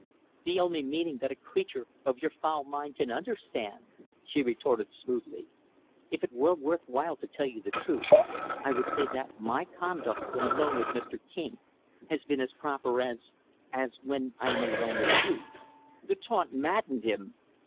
"The only meaning that a creature of your foul mind can understand," she retorted smoothly. "If it were worth while to tell you the truth, I would say that my conduct when alone with Mr. King has been as proper as as when I am alone with you." The taunt maddened him.